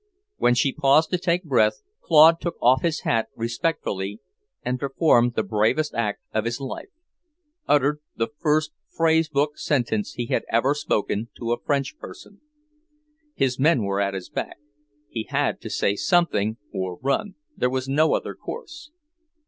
When she paused to take breath, Claude took off his hat respectfully, and performed the bravest act of his life; uttered the first phrase book sentence he had ever spoken to a French person. His men were at his back; he had to say something or run, there was no other course.